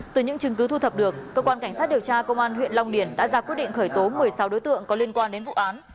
từ những chứng cứ thu thập được cơ quan cảnh sát điều tra công an huyện long điền đã ra quyết định khởi tố một mươi sáu đối tượng có liên quan đến vụ án